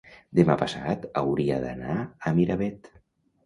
demà passat hauria d'anar a Miravet.